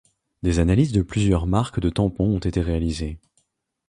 Des analyses de plusieurs marques de tampons ont été réalisées.